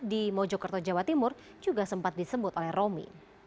di mojokerto jawa timur juga sempat disebut oleh romi